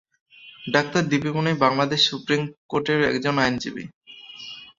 Doctor Dipu Moni Bangladesh supreme কোর্টের একজন আইনজীবী।